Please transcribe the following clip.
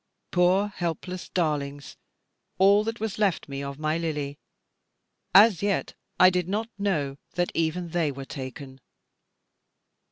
Poor helpless darlings, all that was left me of my Lily, as yet I did not know that even they were taken.